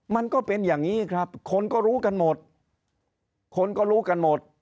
มันก็เป็นอย่างนี้ครับคนก็รู้กันหมดคนก็รู้กันหมด